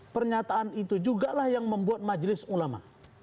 pernyataan itu juga lah yang membuat majelis ulama